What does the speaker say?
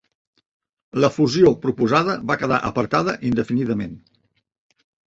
La fusió proposada va quedar apartada indefinidament.